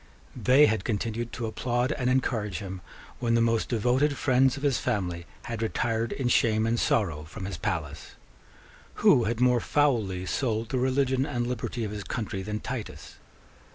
They had continued to applaud and encourage him when the most devoted friends of his family had retired in shame and sorrow from his palace. Who had more foully sold the religion and liberty of his country than Titus?